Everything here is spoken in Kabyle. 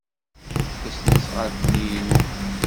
Tasnasɣalt-nni inu.